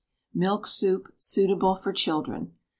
MILK SOUP (suitable for Children).